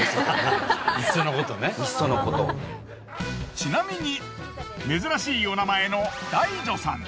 ちなみに珍しいお名前のダイ女さん。